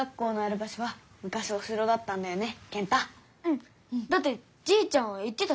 だってじいちゃんは言ってたし。